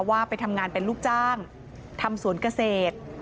ว่าไปทำงานเป็นลูกจ้างทำสวนเกษตร